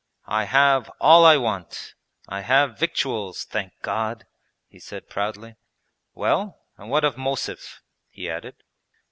'I have all I want. I have victuals, thank God!' he said proudly. 'Well, and what of Mosev?' he added.